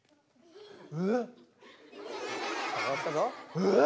えっ！